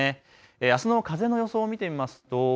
あすの風の予想を見てみます。